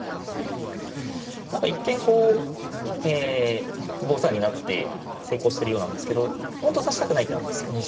何か一見こう５三に成って成功してるようなんですけど本当は指したくない手なんですよ。